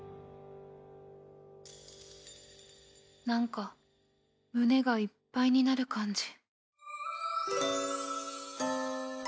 なんか胸がいっぱいになる感じ